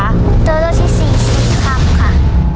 ๔คำค่ะ